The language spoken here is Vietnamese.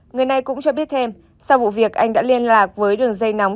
người này cũng cho biết thêm sau vụ việc anh đã liên lạc với đường dây nóng